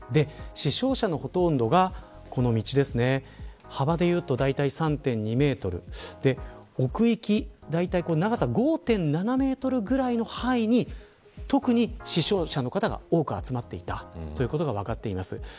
死傷者のほとんどがこの道幅でいうと３．２メートル奥行きは５．７メートルぐらいの範囲に特に死傷者の方が多く集まっていたということが分かっています。